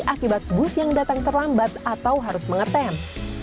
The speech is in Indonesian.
akibat bus yang datang terlambat atau harus mengetem